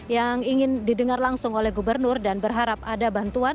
yang ingin didengar langsung oleh gubernur dan berharap ada bantuan